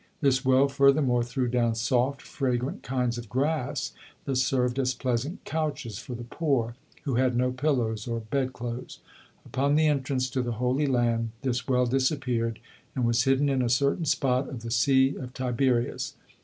This well furthermore threw down soft, fragrant kinds of grass that served as pleasant couches for the poor, who had no pillows or bedclothes. Upon the entrance to the Holy Land this well disappeared and was hidden in a certain spot of the Sea of Tiberias.